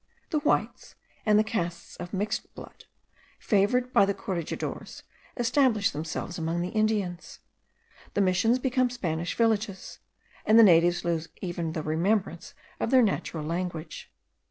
The whites, and the castes of mixed blood, favoured by the corregidors, establish themselves among the Indians. The Missions become Spanish villages, and the natives lose even the remembrance of their natural language.